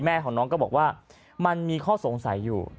แม่ของน้องก็บอกว่ามันมีข้อสงสัยอยู่